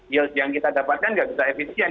yield yang kita dapatkan nggak bisa efisien